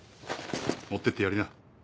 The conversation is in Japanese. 持ってってやりな。